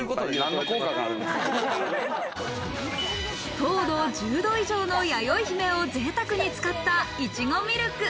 糖度１０度以上のやよいひめを贅沢に使ったいちごミルク。